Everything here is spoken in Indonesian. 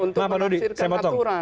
untuk menelusurkan aturan